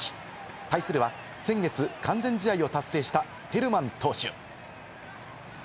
対するは先月、完全試合を達成したヘルマン投手。